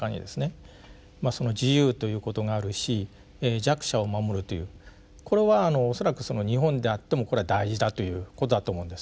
自由ということがあるし弱者を守るというこれは恐らく日本であってもこれは大事だということだと思うんですよ。